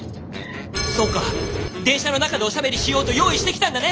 そうか電車の中でおしゃべりしようと用意してきたんだね！